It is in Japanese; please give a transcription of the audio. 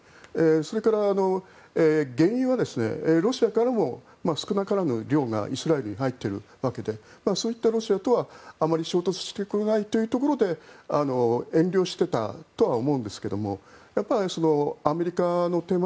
それから原油はロシアからも少なからぬ量がイスラエルに入っているわけでそういったロシアとはあまり衝突したくないというところで遠慮していたとは思うんですがアメリカの手前